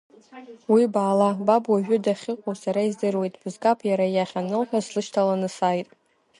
Уи, баала, баб уажәы дахьыҟоу сара издыруеит, бызгап иара иахь анылҳәа слышьҭаланы сааит…